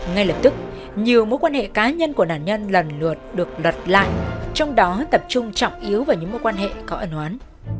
ngay lập tức nhiều mối quan hệ cá nhân của nạn nhân lần lượt được lật lại trong đó tập trung trọng yếu vào những mối quan hệ có ẩn hoán